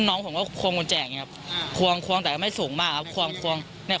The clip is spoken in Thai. น้องผมก็ควงกุญแจอย่างนี้ครับควงแต่ไม่สูงมากครับ